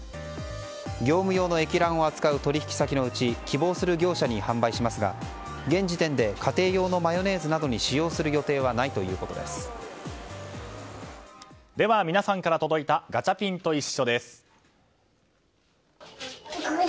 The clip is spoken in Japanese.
業務用の液卵を使う取引先のうち希望する業者に販売しますが現時点で家庭用のマヨネーズなどに使用する予定はでは皆さんから届いたガチャピンといっしょ！です。